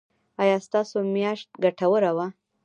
ایا ستاسو میاشت ګټوره وه؟